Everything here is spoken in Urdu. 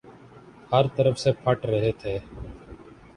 ہر طرف سے پٹ رہے تھے۔